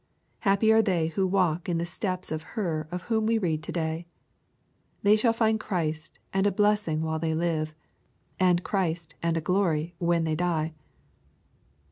Happy are they who walk in the steps of her of whom we read to day 1 They shall find Christ and a blessing while they live, and Christ and glory when they die.